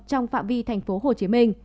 trong phạm vi tp hcm